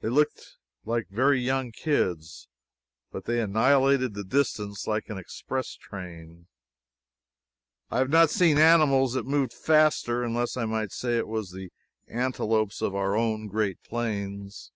They looked like very young kids, but they annihilated distance like an express train. I have not seen animals that moved faster, unless I might say it of the antelopes of our own great plains.